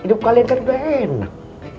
hidup kalian kan udah enak